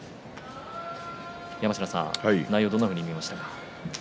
山科さん、内容はどんなふうに見ましたか。